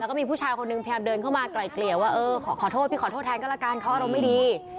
แล้วก็มีผู้ชายคนหนึ่งพยายามเดินเข้ามาไกลเกลี่ยว่าเออขอโทษพี่ขอโทษแทนก็ละกันเขาอารมณ์ไม่ดี